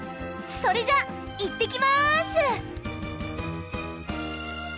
それじゃあいってきます！